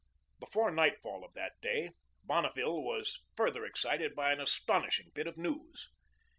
Before nightfall of that day, Bonneville was further excited by an astonishing bit of news.